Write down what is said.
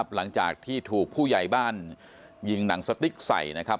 หลังจากที่ถูกผู้ใหญ่บ้านยิงหนังสติ๊กใส่นะครับ